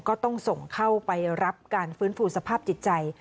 ก็ต้องส่งเข้าไปรับการฟื้นฟูสภาพจิตใจ